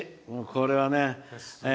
これはね